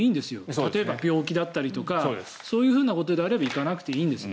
例えば病気であったりそういうことであれば行かなくていいんですね。